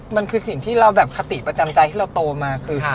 มันคือสิ่งที่เราแบบคติประจำใจที่เราโตมาคือ